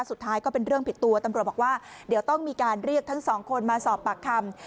สุดท้ายก็เป็นเรื่องผิดตัวตำรวจบอกว่าเดี๋ยวต้องมีการเรียกทั้งสองคนมาสอบปากคำ